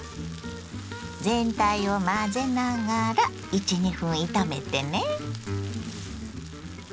全体を混ぜながら１２分炒めてね。